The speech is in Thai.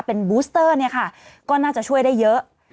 เป็นบูสเตอร์เนี่ยค่ะก็น่าจะช่วยได้เยอะ